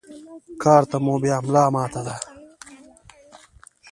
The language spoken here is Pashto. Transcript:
کار ته مو بيا ملا ماته ده.